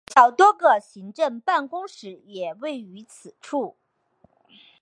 学校多个行政办公室也位于此处。